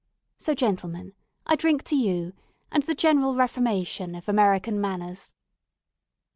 So, gentlemen, I drink to you and the general reformation of American manners."